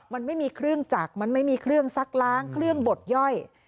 มันไม่มีเครื่องจักรมันไม่มีเครื่องซักล้างเครื่องบดย่อย